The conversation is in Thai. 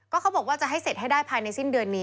เขาบอกว่าจะให้เสร็จให้ได้ภายในสิ้นเดือนนี้